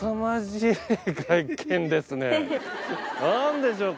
何でしょうか。